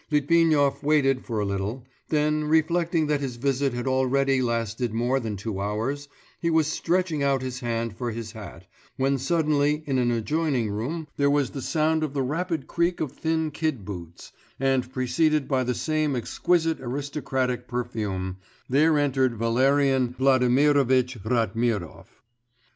Litvinov waited for a little; then, reflecting that his visit had already lasted more than two hours, he was stretching out his hand for his hat, when suddenly in an adjoining room there was the sound of the rapid creak of thin kid boots, and preceded by the same exquisite aristocratic perfume, there entered Valerian Vladimirovitch Ratmirov.